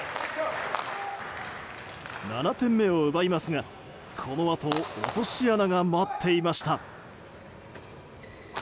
７点目を奪いますが、このあと落とし穴が待っていました。